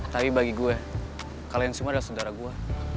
tapi bagi gue kalian semua adalah saudara gue